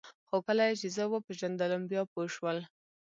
خو کله یې چې زه وپېژندلم بیا پوه شول